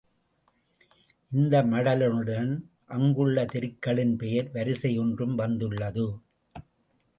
இந்த மடலுடன் அங்குள்ள தெருக்களின் பெயர் வரிசை ஒன்றும் வந்துள்ளது.